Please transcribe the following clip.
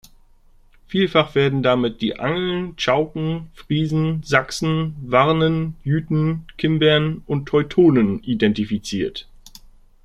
Vielfach werden damit die Angeln, Chauken, Friesen, Sachsen, Warnen, Jüten, Kimbern und Teutonen identifiziert.